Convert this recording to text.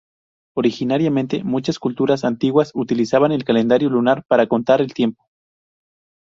Originariamente, muchas culturas antiguas utilizaban el calendario lunar para contar el tiempo.